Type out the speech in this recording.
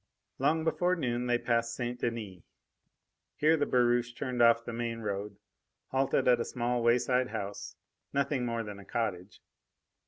Long before noon they passed St. Denis. Here the barouche turned off the main road, halted at a small wayside house nothing more than a cottage.